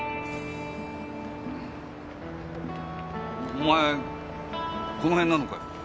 お前このへんなのかよ。